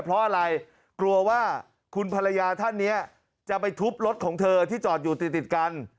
เพราะอะไรกลัวว่าคุณภรรยาท่านนี้จะไปทุบรถของเธอที่จอดอยู่ติดติดกัน